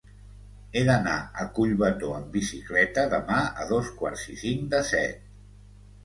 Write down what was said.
He d'anar a Collbató amb bicicleta demà a dos quarts i cinc de set.